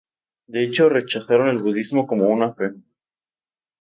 De hecho, rechazaban el budismo como una fe.